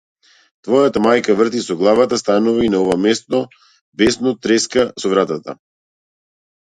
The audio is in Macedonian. Твојата мајка врти со глава станува и на ова место бесно треска со вратата.